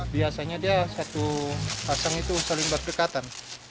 biasanya dia satu pasang itu saling berdekatan